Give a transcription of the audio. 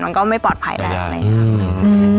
มันก็ไม่ปลอดภัยแรงเลยครับ